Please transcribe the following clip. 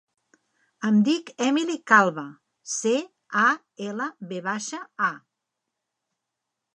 Em dic Emily Calva: ce, a, ela, ve baixa, a.